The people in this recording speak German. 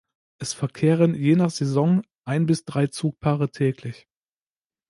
Es verkehren je nach Saison ein bis drei Zugpaare täglich.